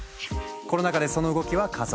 コロナ禍でその動きは加速。